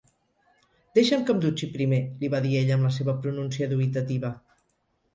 Deixa'm que em dutxi primer —li va dir ella amb la seva pronúncia dubitativa.